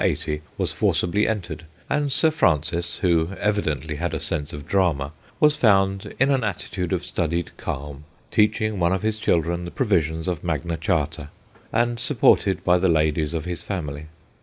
80 was forcibly entered, and Sir Francis who evidently had a sense of drama was found in an attitude of studied calm, teaching one of his children the provisions of Magna Charta, and supported by the ladies of his family.